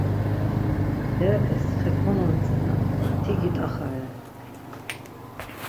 Berepes xe konontzina ti git̆axare.